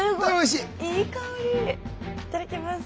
いただきます。